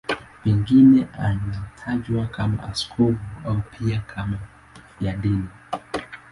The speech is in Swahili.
Pengine anatajwa kama askofu au pia kama mfiadini.